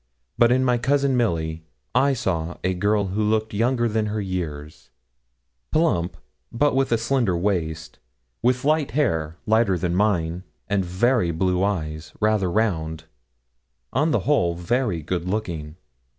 But in my cousin Milly I saw a girl who looked younger than her years, plump, but with a slender waist, with light hair, lighter than mine, and very blue eyes, rather round; on the whole very good looking.